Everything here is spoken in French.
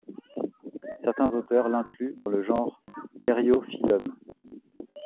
Certains auteurs l'incluent dans le genre Eriophyllum.